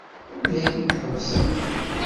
Anda ay tent-tḥebsemt?